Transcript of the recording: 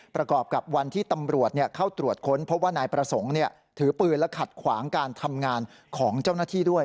ประกอบกับวันที่ตำรวจเข้าตรวจค้นพบว่านายประสงค์ถือปืนและขัดขวางการทำงานของเจ้าหน้าที่ด้วย